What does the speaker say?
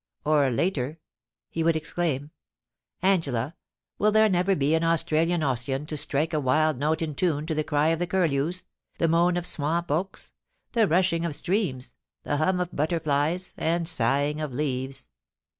...' Or later, he would exclaim, * Angela, will there never be an Australian Ossian to strike a wild note in tune to the cry of the curlews, the moan of swamp oaks, the rushing of streams, the hum of butterflies, and sighing of leaves!